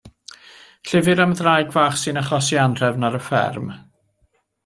Llyfr am ddraig fach sy'n achosi anrhefn ar y fferm.